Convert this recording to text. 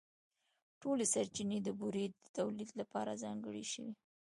ټولې سرچینې د بورې د تولیدً لپاره ځانګړې شوې.